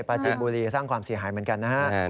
ปราจีนบุรีสร้างความเสียหายเหมือนกันนะครับ